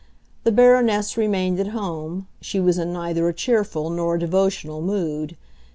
The Baroness remained at home; she was in neither a cheerful nor a devotional mood.